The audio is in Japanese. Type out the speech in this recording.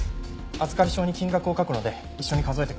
預かり証に金額を書くので一緒に数えてください。